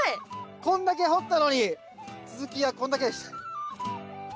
こんだけ掘ったのに続きはこんだけでした。